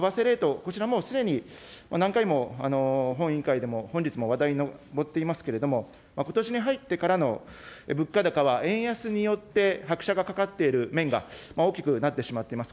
最初に為替レート、こちらもうすでに、何回も本委員会でも、本日も話題に上っていますけれども、ことしに入ってからの物価高は円安によって拍車がかかっている面が大きくなってしまっています。